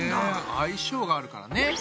相性があるからね。